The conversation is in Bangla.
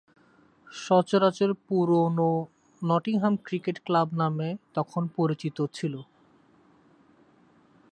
সচরাচর পুরনো নটিংহাম ক্রিকেট ক্লাব নামে তখন পরিচিত ছিল।